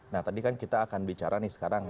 nah tadi kan kita akan bicara nih sekarang